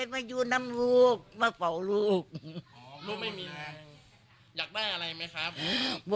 มายูนน้ำลูกมาเป่าลูกลูกไม่มีอยากได้อะไรไหมครับ